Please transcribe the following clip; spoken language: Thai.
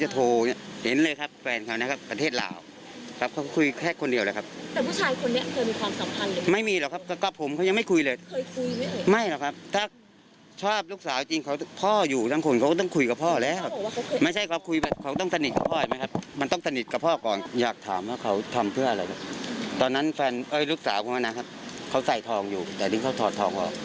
ตอนนั้นแฟนลูกสาวผมนะครับเขาใส่ทองอยู่แต่นี่เขาถอดทองออก